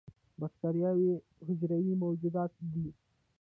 بکتریاوې یو حجروي موجودات دي